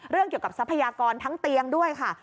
เกี่ยวกับทรัพยากรทั้งเตียงด้วยค่ะ